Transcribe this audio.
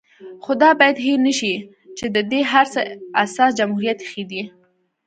خو دا بايد هېر نشي چې د دې هر څه اساس جمهوريت ايښی دی